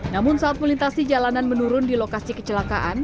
namun saat melintasi jalanan menurun di lokasi kecelakaan